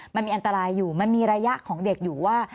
มันมีอันตรายอยู่มันมีระยะของเด็กอยู่ว่า